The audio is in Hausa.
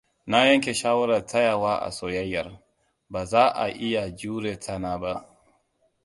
Na yanke shawarar tsayawa a soyayyar. Ba za a a iya jure tsana ba.